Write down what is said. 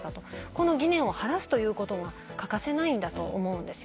この疑念を晴らすということが欠かせないんだと思うんです。